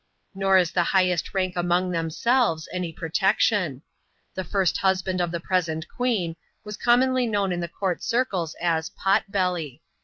Nor is the« highest rank among themselved any protection* The first husband of the present queen was oowr monly known in the court circles, as '' Pot Belly."